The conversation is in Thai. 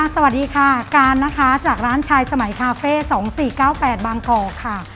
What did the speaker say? สวัสดีค่ะการนะคะจากร้านชายสมัยคาเฟ่๒๔๙๘บางกอกค่ะ